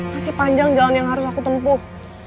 masih panjang jalan yang harus aku tempuh